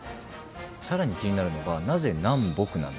さらに気になるのがなぜ「南北」なのか。